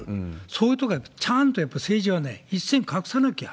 そういうところは、ちゃんとやっぱり政治は一線画さなきゃ。